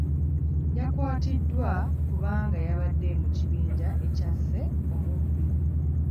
Yakwatiddwa kubanga yabadde mu kibinja ekyasse omubbi.